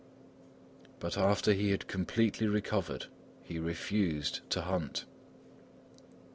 But after he had completely recovered, he refused to hunt.